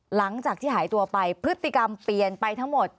หลังจากที่หายตัวไปพฤติกรรมเปลี่ยนไปทั้งหมด